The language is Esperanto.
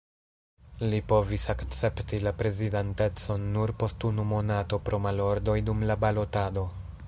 Li povis akcepti la prezidantecon nur post unu monato pro malordoj dum la balotado.